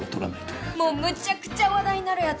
もうむちゃくちゃ話題になるやつ！